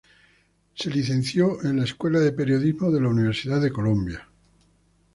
Se licenció Escuela de Periodismo de la Universidad de Columbia.